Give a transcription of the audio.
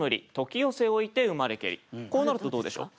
こうなるとどうでしょう。